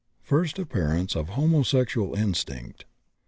FIRST APPEARANCE OF HOMOSEXUAL INSTINCT.